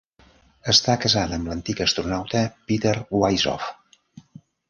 Està casada amb l'antic astronauta Peter Wisoff.